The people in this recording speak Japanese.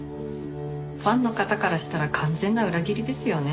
ファンの方からしたら完全な裏切りですよね。